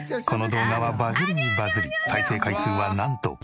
この動画はバズりにバズり再生回数はなんと。